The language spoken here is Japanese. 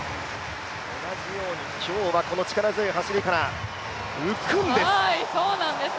同じように今日は力強い走りから浮くんです。